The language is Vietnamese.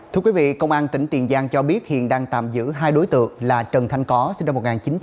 thưa quý vị công an tỉnh tiền giang cho biết hiện đang tạm giữ hai đối tượng là trần thanh có sinh năm một nghìn chín trăm tám mươi